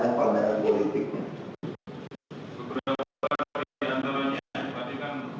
di antaranya apa benda politik yang pernah mengelola saudara seni